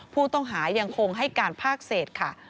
ผู้ต้องหายังคงให้การภาคเศษค่ะ